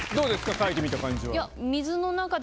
書いてみた感じは。